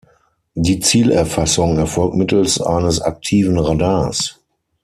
Die Zielerfassung erfolgt mittels eines aktiven Radars.